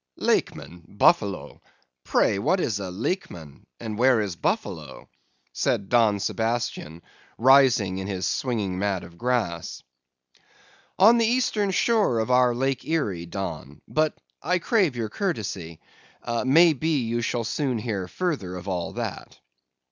"'Lakeman!—Buffalo! Pray, what is a Lakeman, and where is Buffalo?' said Don Sebastian, rising in his swinging mat of grass. "On the eastern shore of our Lake Erie, Don; but—I crave your courtesy—may be, you shall soon hear further of all that.